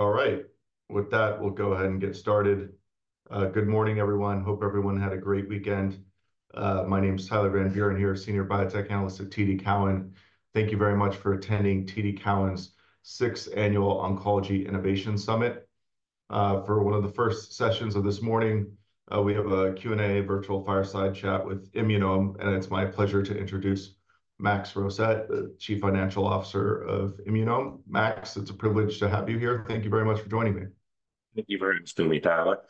All right, with that, we'll go ahead and get started. Good morning, everyone. Hope everyone had a great weekend. My name's Tyler Grandbjørn here, Senior Biotech Analyst at TD Cowen. Thank you very much for attending TD Cowen's sixth Annual Oncology Innovation Summit. For one of the first sessions of this morning, we have a Q&A virtual fireside chat with Immunome, and it's my pleasure to introduce Max Rosett, the Chief Financial Officer of Immunome. Max, it's a privilege to have you here. Thank you very much for joining me. Thank you very much, Tyler.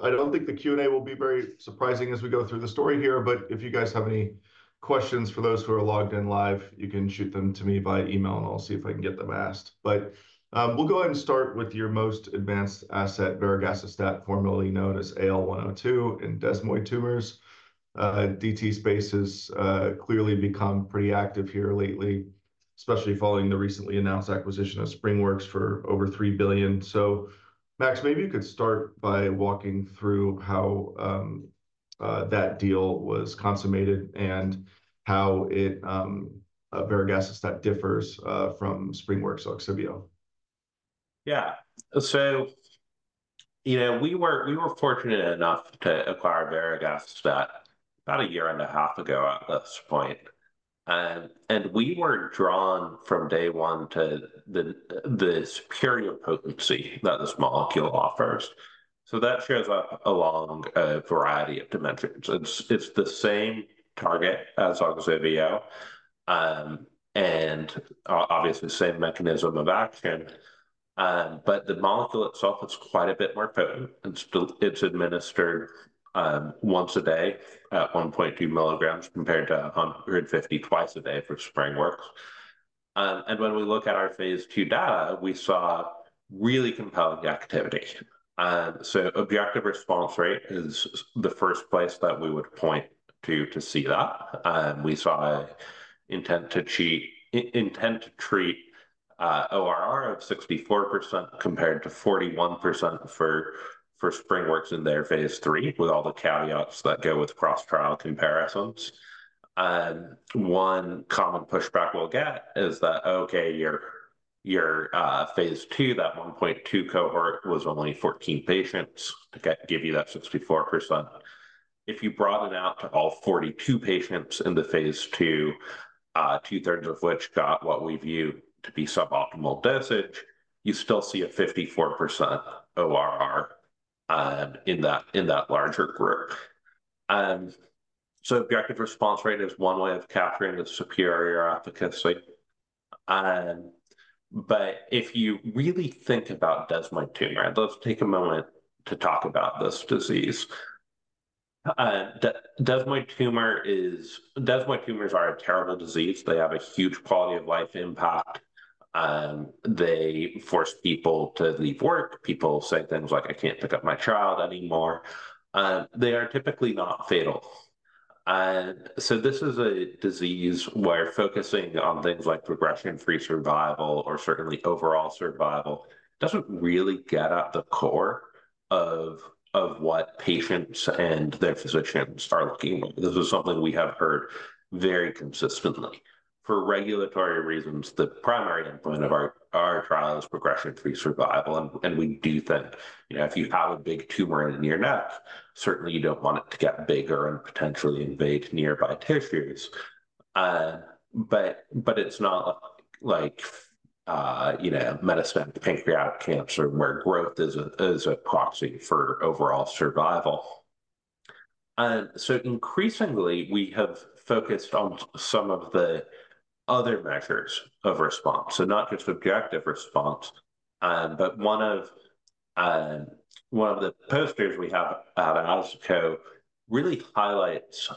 I don't think the Q&A will be very surprising as we go through the story here, but if you guys have any questions for those who are logged in live, you can shoot them to me by email, and I'll see if I can get them asked. We'll go ahead and start with your most advanced asset, varegacestat, formerly known as AL102, in desmoid tumors. DT space has clearly become pretty active here lately, especially following the recently announced acquisition of SpringWorks for over $3 billion. Max, maybe you could start by walking through how that deal was consummated and how varegacestat differs from SpringWorks or OGSIVEO. Yeah, so, you know, we were fortunate enough to acquire varegacestat about a year and a half ago at this point. We were drawn from day one to the superior potency that this molecule offers. That shows a long variety of dimensions. It's the same target as OGSIVEO, and obviously the same mechanism of action. The molecule itself is quite a bit more potent. It's administered once a day at 1.2 milligrams compared to 150 twice a day for SpringWorks. When we look at our phase II data, we saw really compelling activity. Objective response rate is the first place that we would point to to see that. We saw intent to treat, intent to treat, ORR of 64% compared to 41% for SpringWorks in their phase III, with all the caveats that go with cross-trial comparisons. One common pushback we'll get is that, okay, your phase II, that 1.2 cohort was only 14 patients to give you that 64%. If you broaden out to all 42 patients in the phase II, two-thirds of which got what we view to be suboptimal dosage, you still see a 54% ORR in that larger group. Objective response rate is one way of capturing the superior efficacy. If you really think about desmoid tumor, let's take a moment to talk about this disease. Desmoid tumor is, desmoid tumors are a terrible disease. They have a huge quality of life impact. They force people to leave work. People say things like, "I can't pick up my child anymore." They are typically not fatal. This is a disease where focusing on things like progression-free survival or certainly overall survival does not really get at the core of what patients and their physicians are looking at. This is something we have heard very consistently. For regulatory reasons, the primary endpoint of our trial is progression-free survival. And we do think, you know, if you have a big tumor in your neck, certainly you do not want it to get bigger and potentially invade nearby tissues. But it is not like, you know, metastatic pancreatic cancer where growth is a proxy for overall survival. So increasingly, we have focused on some of the other measures of response. Not just objective response, but one of, one of the posters we have at [Alzaco] really highlights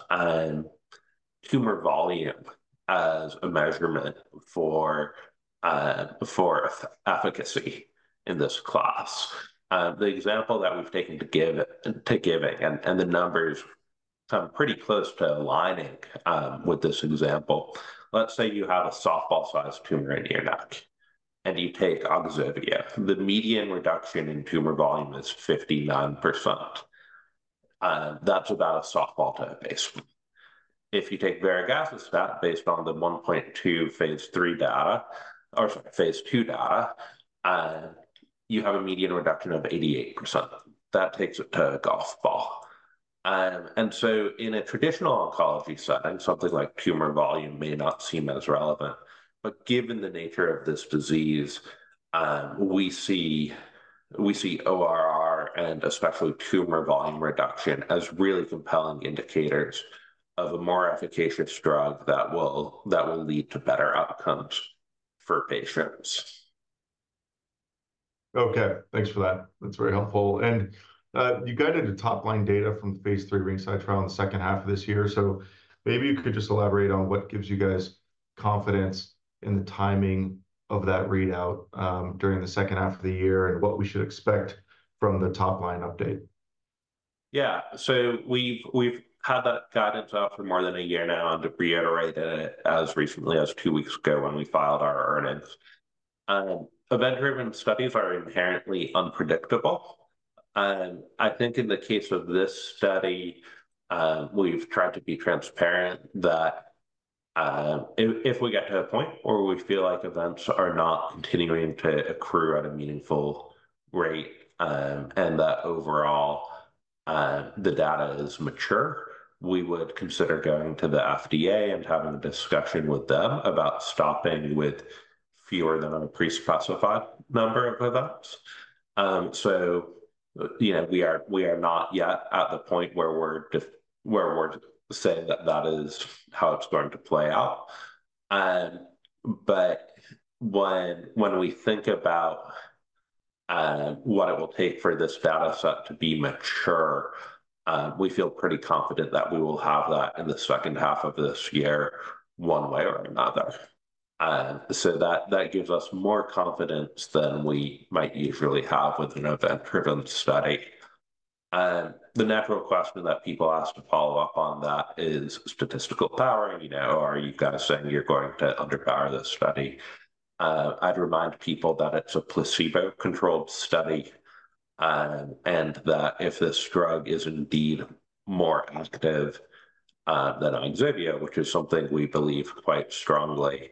tumor volume as a measurement for efficacy in this class. The example that we've taken to give to giving and the numbers come pretty close to aligning, with this example. Let's say you have a softball-sized tumor in your neck and you take OGSIVEO. The median reduction in tumor volume is 59%. That's about a softball to a baseball. If you take varegacestat based on the phase III or phase II data, you have a median reduction of 88%. That takes it to a golf ball. In a traditional oncology setting, something like tumor volume may not seem as relevant, but given the nature of this disease, we see ORR and especially tumor volume reduction as really compelling indicators of a more efficacious drug that will lead to better outcomes for patients. Okay, thanks for that. That's very helpful. You guided the top line data from phase III RINGSIDE trial in the second half of this year. Maybe you could just elaborate on what gives you guys confidence in the timing of that readout, during the second half of the year and what we should expect from the top line update. Yeah, so we've had that data drop for more than a year now and reiterated it as recently as two weeks ago when we filed our earnings. Event-driven studies are inherently unpredictable. I think in the case of this study, we've tried to be transparent that, if we get to a point where we feel like events are not continuing to accrue at a meaningful rate, and that overall, the data is mature, we would consider going to the FDA and having a discussion with them about stopping with fewer than a pre-specified number of events. You know, we are not yet at the point where we're saying that that is how it's going to play out. When we think about what it will take for this data set to be mature, we feel pretty confident that we will have that in the second half of this year one way or another. That gives us more confidence than we might usually have with an event-driven study. The natural question that people ask to follow up on that is statistical power, you know, are you guys saying you're going to underpower this study? I'd remind people that it's a placebo-controlled study, and that if this drug is indeed more active than OGSIVEO, which is something we believe quite strongly,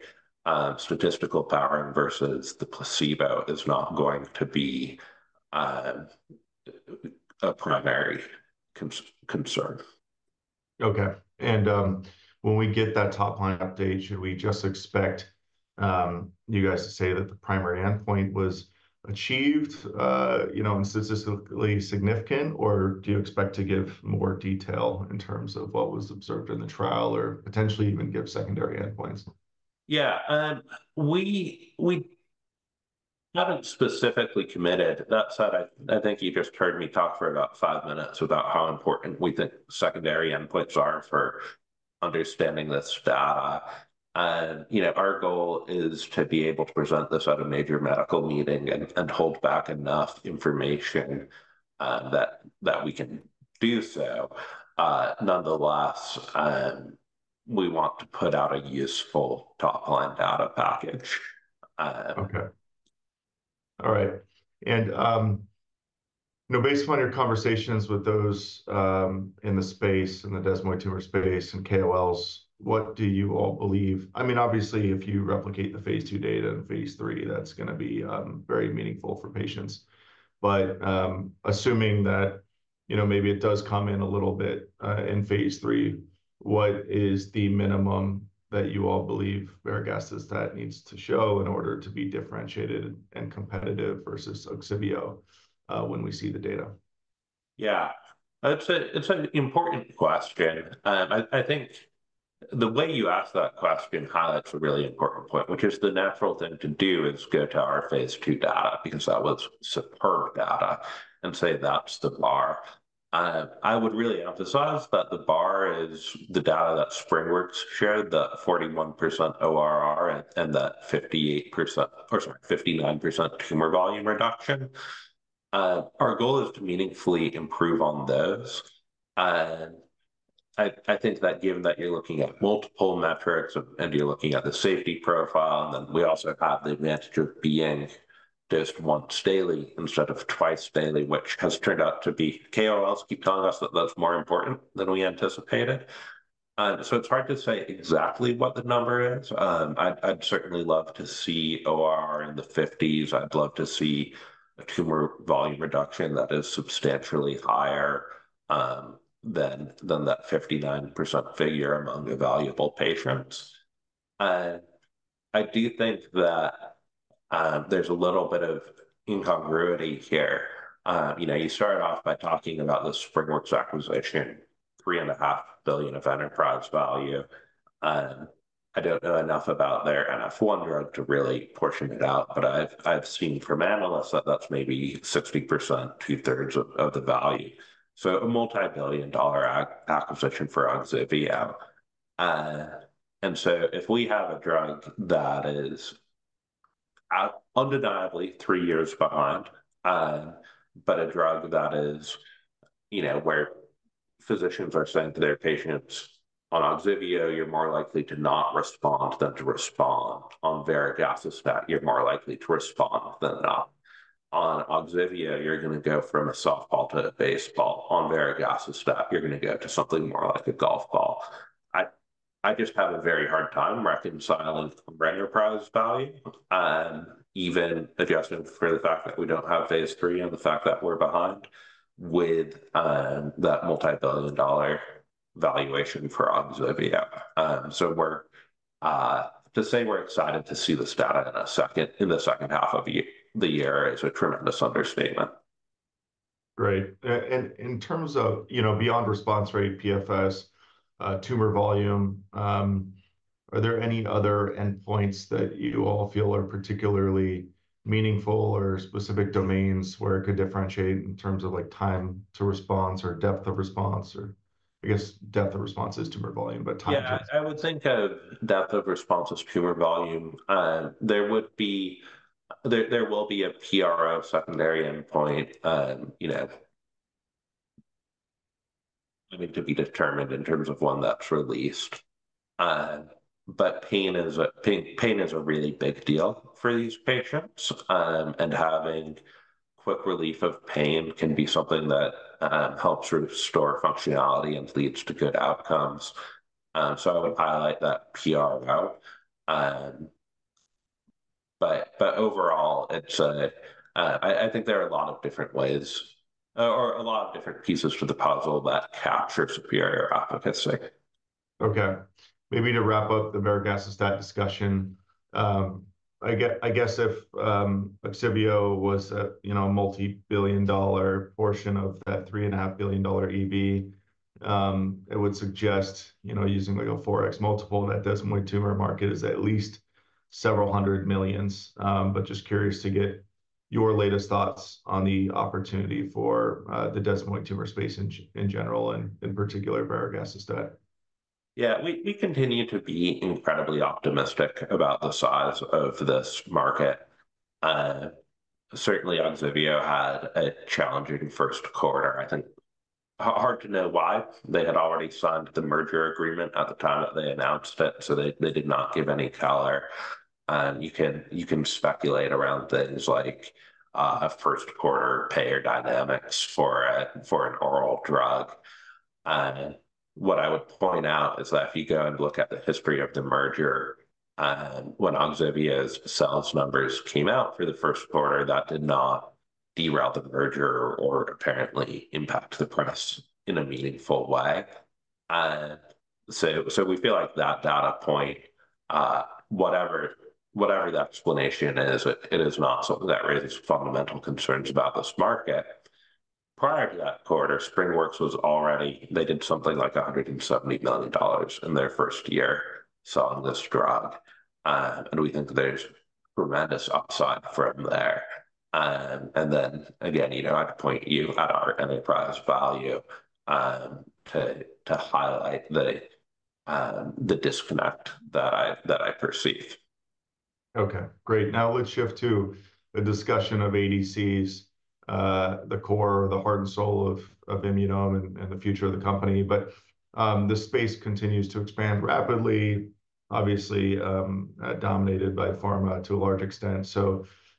statistical power versus the placebo is not going to be a primary concern. Okay. When we get that top line update, should we just expect you guys to say that the primary endpoint was achieved, you know, and statistically significant, or do you expect to give more detail in terms of what was observed in the trial or potentially even give secondary endpoints? Yeah, we haven't specifically committed that side. I think you just heard me talk for about five minutes about how important we think secondary endpoints are for understanding this data. You know, our goal is to be able to present this at a major medical meeting and hold back enough information that we can do so. Nonetheless, we want to put out a useful top line data package. Okay. All right. And, you know, based on your conversations with those in the space, in the desmoid tumor space and KOLs, what do you all believe? I mean, obviously, if you replicate the phase II data in phase III, that's going to be very meaningful for patients. Assuming that, you know, maybe it does come in a little bit in phase III, what is the minimum that you all believe varegacestat needs to show in order to be differentiated and competitive versus OGSIVEO, when we see the data? Yeah, it's an important question. I think the way you ask that question highlights a really important point, which is the natural thing to do is go to our phase II data because that was superb data and say that's the bar. I would really emphasize that the bar is the data that SpringWorks shared, the 41% ORR and the 58% or sorry, 59% tumor volume reduction. Our goal is to meaningfully improve on those. I think that given that you're looking at multiple metrics and you're looking at the safety profile, and then we also have the advantage of being dosed once daily instead of twice daily, which has turned out to be. KOLs keep telling us that that's more important than we anticipated. It's hard to say exactly what the number is. I'd certainly love to see ORR in the 50s. I'd love to see a tumor volume reduction that is substantially higher than that 59% figure among the valuable patients. I do think that there's a little bit of incongruity here. You know, you started off by talking about the SpringWorks acquisition, $3.5 billion of enterprise value. I don't know enough about their NF1 drug to really portion it out, but I've seen from analysts that that's maybe 60%, two-thirds of the value. A multi-billion dollar acquisition for OGSIVEO. If we have a drug that is undeniably three years behind, but a drug that is, you know, where physicians are saying to their patients, "On OGSIVEO, you're more likely to not respond than to respond. On varegacestat, you're more likely to respond than not. On OGSIVEO, you're going to go from a softball to a baseball. On varegacestat, you're going to go to something more like a golf ball. I just have a very hard time reconciling enterprise value, even adjusting for the fact that we don't have phase III and the fact that we're behind with that multi-billion dollar valuation for Xivio. To say we're excited to see this data in the second half of the year is a tremendous understatement. Great. In terms of, you know, beyond response rate, PFS, tumor volume, are there any other endpoints that you all feel are particularly meaningful or specific domains where it could differentiate in terms of like time to response or depth of response or I guess depth of response is tumor volume, but time to. Yeah, I would think depth of response is tumor volume. There will be a PRO secondary endpoint, you know, I mean, to be determined in terms of one that's released. Pain is a pain, pain is a really big deal for these patients, and having quick relief of pain can be something that helps restore functionality and leads to good outcomes. I would highlight that PRO. Overall, I think there are a lot of different ways or a lot of different pieces to the puzzle that capture superior efficacy. Okay. Maybe to wrap up the varegacestat discussion, I guess if OGSIVEO was a, you know, a multi-billion dollar portion of that $3.5 billion EV, it would suggest, you know, using like a 4x multiple that desmoid tumor market is at least several hundred million. Just curious to get your latest thoughts on the opportunity for the desmoid tumor space in general and in particular varegacestat. Yeah, we continue to be incredibly optimistic about the size of this market. Certainly, OGSIVEO had a challenging first quarter. I think hard to know why. They had already signed the merger agreement at the time that they announced it, so they did not give any color. You can speculate around things like a first quarter payer dynamics for an oral drug. What I would point out is that if you go and look at the history of the merger, when OGSIVEO's sales numbers came out for the first quarter, that did not derail the merger or apparently impact the press in a meaningful way. We feel like that data point, whatever the explanation is, it is not something that raises fundamental concerns about this market. Prior to that quarter, SpringWorks was already, they did something like $170 million in their first year selling this drug. We think there's tremendous upside from there. You know, I'd point you at our enterprise value to highlight the disconnect that I perceive. Okay, great. Now let's shift to the discussion of ADCs, the core, the heart and soul of Immunome and the future of the company. The space continues to expand rapidly, obviously, dominated by pharma to a large extent.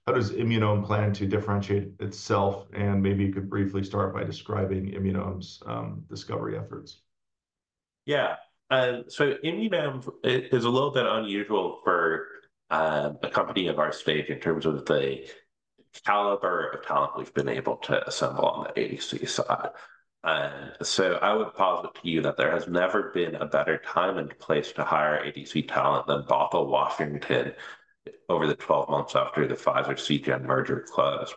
How does Immunome plan to differentiate itself? Maybe you could briefly start by describing Immunome's discovery efforts. Yeah, so Immunome is a little bit unusual for a company of our stage in terms of the caliber of talent we've been able to assemble on the ADC side. I would posit to you that there has never been a better time and place to hire ADC talent than Bothell, Washington, over the 12 months after the Pfizer Seagen merger closed.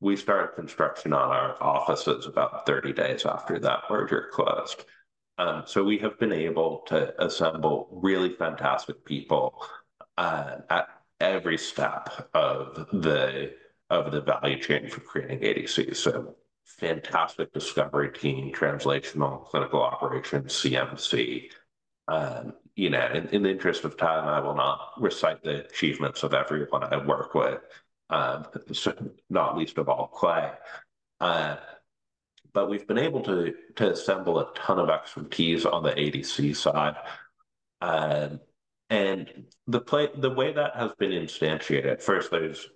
We started construction on our offices about 30 days after that merger closed. We have been able to assemble really fantastic people at every step of the value chain for creating ADC. Fantastic discovery team, translational clinical operations, CMC. You know, in the interest of time, I will not recite the achievements of everyone I work with, not least of all Clay. We've been able to assemble a ton of expertise on the ADC side. The play, the way that has been instantiated, first there's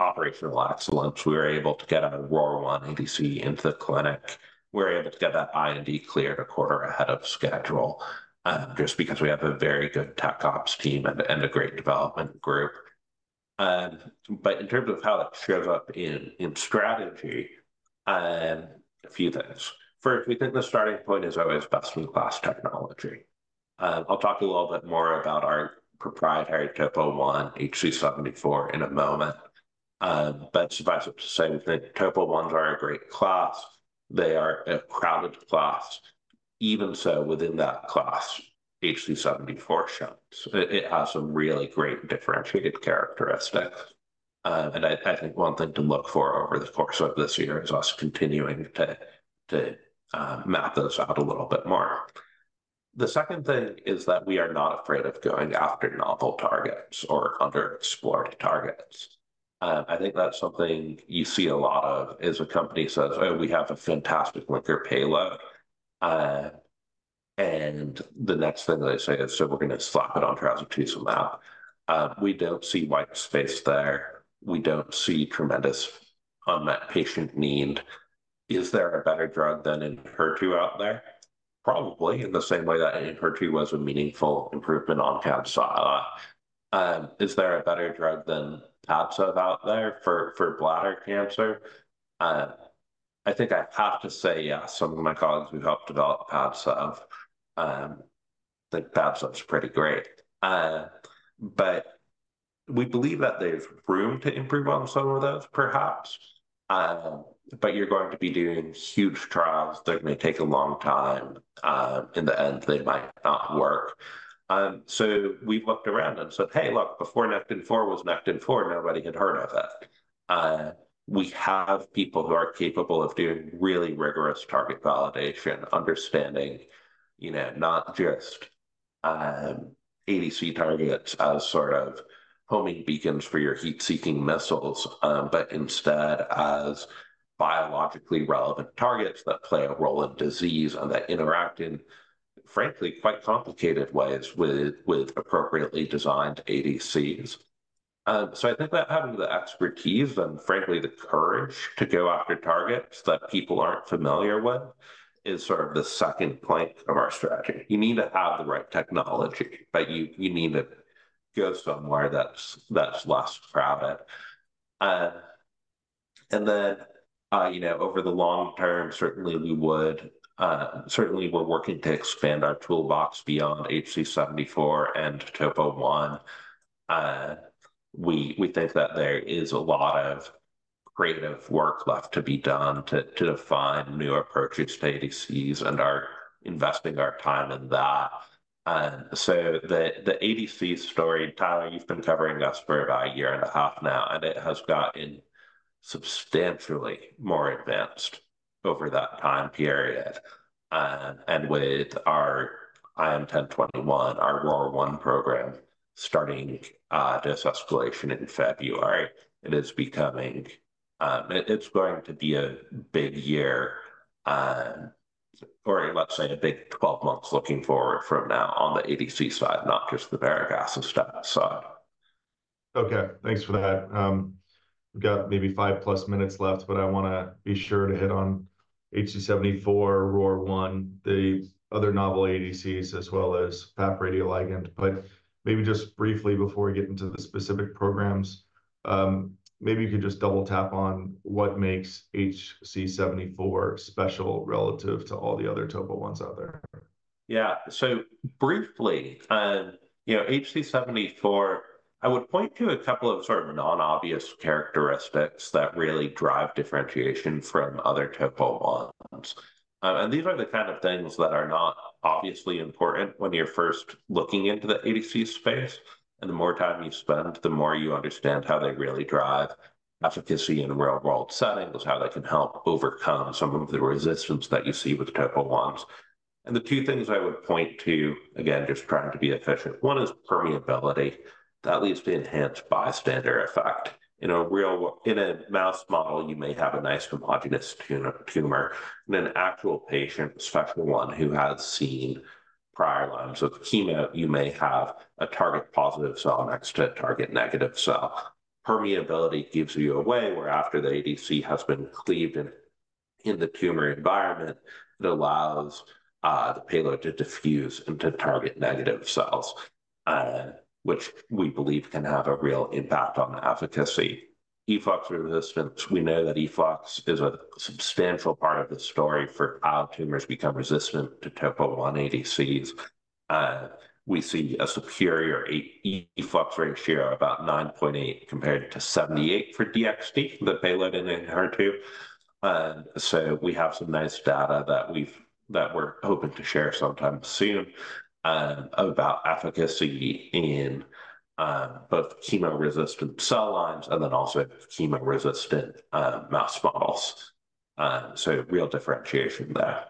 operational excellence. We were able to get a ROR1 ADC into the clinic. We were able to get that IND cleared a quarter ahead of schedule, just because we have a very good tech ops team and a great development group. In terms of how that shows up in strategy, a few things. First, we think the starting point is always best-in-class technology. I'll talk a little bit more about our proprietary Topo 1 HC74 in a moment. Suffice it to say that Topo 1s are a great class. They are a crowded class. Even so, within that class, HC74 shows. It has some really great differentiated characteristics. I think one thing to look for over the course of this year is us continuing to map those out a little bit more. The second thing is that we are not afraid of going after novel targets or under-explored targets. I think that's something you see a lot of is a company says, "Oh, we have a fantastic linker payload." The next thing they say is, "So we're going to slap it on trastuzumab." We don't see white space there. We don't see tremendous unmet patient need. Is there a better drug than Enhertu out there? Probably in the same way that Enhertu was a meaningful improvement on Kadcyla. Is there a better drug than Padcev out there for bladder cancer? I think I have to say yes. Some of my colleagues who helped develop Padcev think Padcev's pretty great. We believe that there's room to improve on some of those, perhaps. You're going to be doing huge trials that may take a long time. In the end, they might not work. We have looked around and said, "Hey, look, before Neptune 4 was Neptune 4, nobody had heard of it." We have people who are capable of doing really rigorous target validation, understanding, you know, not just ADC targets as sort of homing beacons for your heat-seeking missiles, but instead as biologically relevant targets that play a role in disease and that interact in, frankly, quite complicated ways with appropriately designed ADCs. I think that having the expertise and, frankly, the courage to go after targets that people are not familiar with is sort of the second point of our strategy. You need to have the right technology, but you need to go somewhere that is less crowded. You know, over the long term, certainly we are working to expand our toolbox beyond HC74 and Topo 1. We think that there is a lot of creative work left to be done to define new approaches to ADCs and are investing our time in that. The ADC story, Tyler, you've been covering us for about a year and a half now, and it has gotten substantially more advanced over that time period. With our IM1021, our ROR1 program starting this escalation in February, it is becoming, it's going to be a big year, or let's say a big 12 months looking forward from now on the ADC side, not just the varegacestat side. Okay, thanks for that. We've got maybe five plus minutes left, but I want to be sure to hit on HC74, ROR1, the other novel ADCs, as well as FAP radioligand. Maybe just briefly before we get into the specific programs, maybe you could just double tap on what makes HC74 special relative to all the other Topo 1s out there. Yeah, so briefly, you know, HC74, I would point to a couple of sort of non-obvious characteristics that really drive differentiation from other Topo 1s. These are the kind of things that are not obviously important when you're first looking into the ADC space. The more time you spend, the more you understand how they really drive efficacy in real-world settings, how they can help overcome some of the resistance that you see with Topo 1s. The two things I would point to, again, just trying to be efficient, one is permeability, that leads to enhanced bystander effect. In a real world, in a mouse model, you may have a nice homogenous tumor. In an actual patient, especially one who has seen prior lines of chemo, you may have a target positive cell and extra target negative cell. Permeability gives you a way where after the ADC has been cleaved in the tumor environment, it allows the payload to diffuse into target negative cells, which we believe can have a real impact on the efficacy. Efflux resistance, we know that efflux is a substantial part of the story for how tumors become resistant to Topo 1 ADCs. We see a superior efflux ratio of about 9.8 compared to 78 for DXT, the payload in Enhertu. We have some nice data that we're hoping to share sometime soon, about efficacy in both chemo-resistant cell lines and then also chemo-resistant mouse models. Real differentiation there.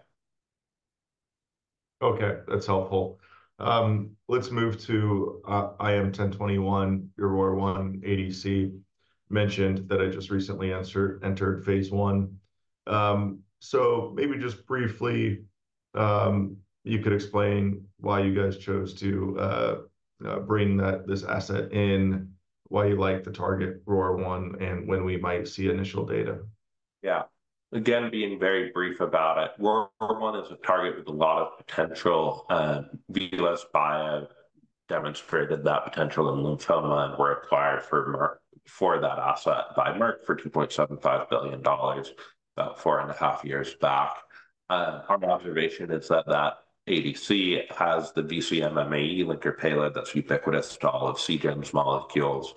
Okay, that's helpful. Let's move to IM1021, your ROR1 ADC, mentioned that it just recently entered phase I. Maybe just briefly, you could explain why you guys chose to bring this asset in, why you like the target ROR1, and when we might see initial data. Yeah, again, being very brief about it, ROR1 is a target with a lot of potential. Velos Bio demonstrated that potential in lymphoma and were acquired by Janssen for that asset by Janssen for $2.75 billion about four and a half years back. Our observation is that that ADC has the vcMMAE linker payload that's ubiquitous to all of Seagen's molecules.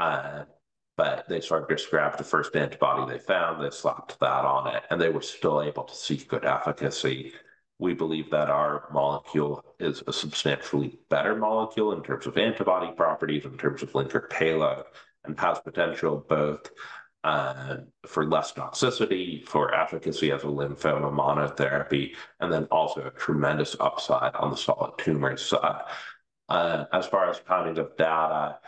They started to scrap the first antibody they found, they slapped that on it, and they were still able to see good efficacy. We believe that our molecule is a substantially better molecule in terms of antibody properties, in terms of linker payload, and has potential both for less toxicity, for efficacy as a lymphoma monotherapy, and then also a tremendous upside on the solid tumor side. As far as timing of data,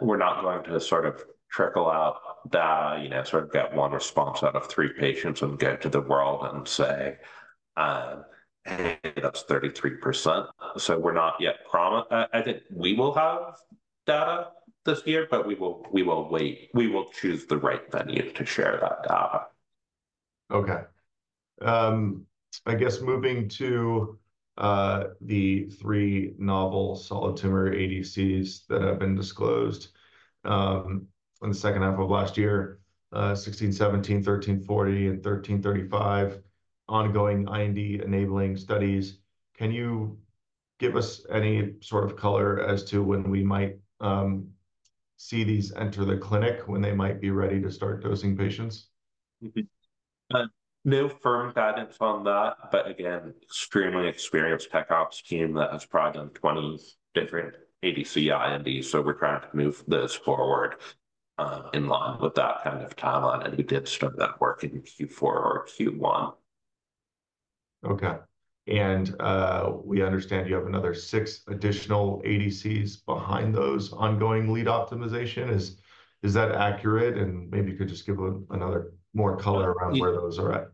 we're not going to sort of trickle out data, you know, sort of get one response out of three patients and go to the world and say, hey, that's 33%. So we're not yet promised. I think we will have data this year, but we will wait. We will choose the right venue to share that data. Okay. I guess moving to the three novel solid tumor ADCs that have been disclosed in the second half of last year, 1617, 1340, and 1335, ongoing IND-enabling studies. Can you give us any sort of color as to when we might see these enter the clinic, when they might be ready to start dosing patients? Mm-hmm. No firm guidance on that, but again, extremely experienced tech ops team that has pride on 20 different ADC INDs, so we're trying to move this forward, in line with that kind of timeline, and we did start that work in Q4 or Q1. Okay. We understand you have another six additional ADCs behind those ongoing lead optimization. Is that accurate? Maybe you could just give another more color around where those are at.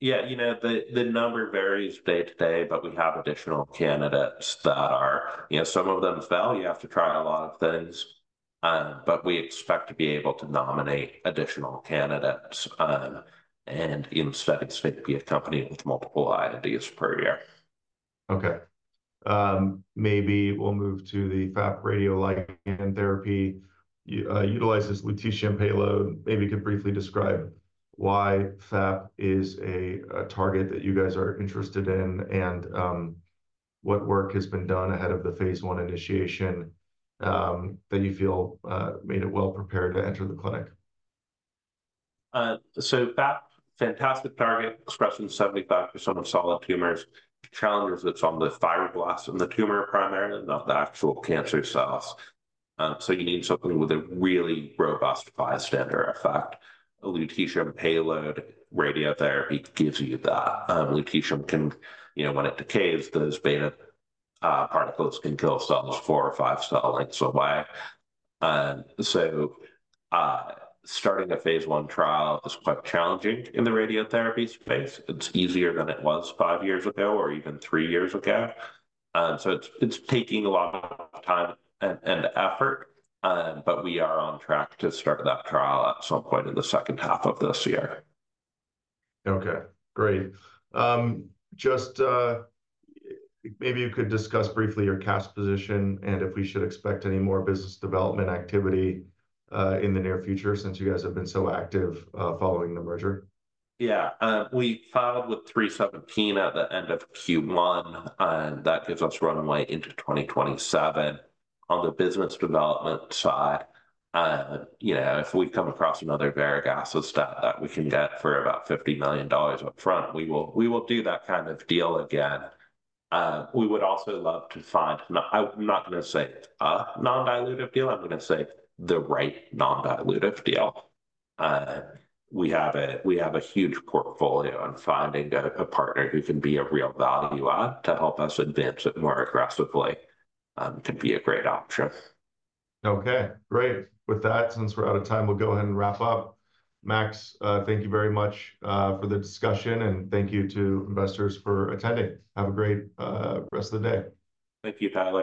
Yeah, you know, the number varies day to day, but we have additional candidates that are, you know, some of them fail. You have to try a lot of things. We expect to be able to nominate additional candidates. You know, it's fit to be a company with multiple INDs per year. Okay. Maybe we'll move to the FAP radioligand therapy. You utilize this lutetium payload. Maybe you could briefly describe why FAP is a target that you guys are interested in and what work has been done ahead of the phase I initiation that you feel made it well prepared to enter the clinic. FAP, fantastic target, expressing 75% of solid tumors. The challenge is it's on the fibroblasts in the tumor primarily, not the actual cancer cells. You need something with a really robust bystander effect. A lutetium payload radiotherapy gives you that. Lutetium can, you know, when it decays, those beta particles can kill cells four or five cell lengths away. Starting a phase I trial is quite challenging in the radiotherapy space. It's easier than it was five years ago or even three years ago. It's taking a lot of time and effort, but we are on track to start that trial at some point in the second half of this year. Okay, great. Just, maybe you could discuss briefly your CAS position and if we should expect any more business development activity in the near future since you guys have been so active, following the merger. Yeah, we filed with 317 at the end of Q1, and that gives us runway into 2027. On the business development side, you know, if we come across another varegacestat that we can get for about $50 million upfront, we will do that kind of deal again. We would also love to find, I'm not going to say a nondiluted deal, I'm going to say the right nondiluted deal. We have a huge portfolio and finding a partner who can be a real value add to help us advance it more aggressively could be a great option. Okay, great. With that, since we're out of time, we'll go ahead and wrap up. Max, thank you very much for the discussion, and thank you to investors for attending. Have a great rest of the day. Thank you, Tyler.